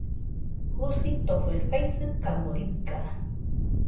Jusitofe faɨsɨkamo riga.